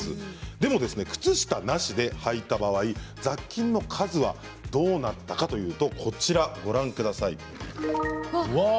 でも靴下なしで履いた場合雑菌の数はどうなったかというと、ご覧ください。